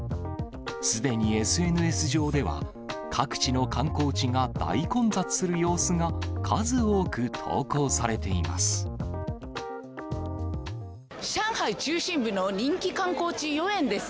すでにＳＮＳ上では、各地の観光地が大混雑する様子が、数多く投上海中心部の人気観光地、豫園です。